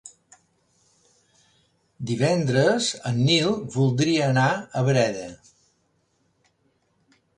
Divendres en Nil voldria anar a Breda.